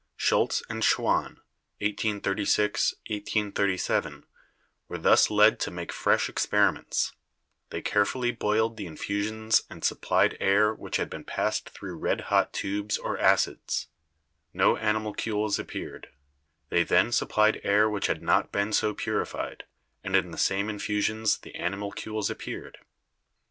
Schultze and Schwann (1836, 1837) were thus led to make fresh experiments ; they carefully boiled the infusions and supplied air which had been passed through red hot tubes or acids —, no animacules appeared; they then sup plied air which had not been so purified, and in the same infusions the animalcules appeared.